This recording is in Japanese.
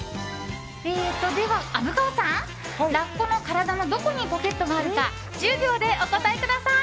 では虻川さん、ラッコの体のどこにポケットがあるか１０秒でお答えください。